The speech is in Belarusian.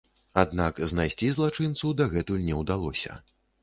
Аднак знайсці злачынцу дагэтуль не ўдалося.